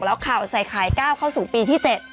แล้วข่าวใส่ไข่ก้าวเข้าสู่ปีที่๗